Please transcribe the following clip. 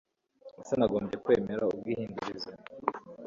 Ese nagombye kwemera ubwihindurize